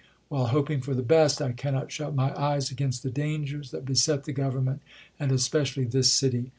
While hoping for the best, I cannot shut my eyes against the dangers that beset the Government, and especially this city.